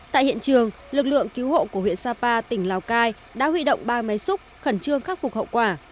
tại hiện trường lực lượng cứu hộ của huyện sapa tỉnh lào cai đã huy động ba máy xúc khẩn trương khắc phục hậu quả